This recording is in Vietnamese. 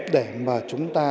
để mà chúng ta